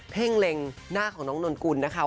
่งเล็งหน้าของน้องนนกุลนะคะ